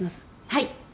はい。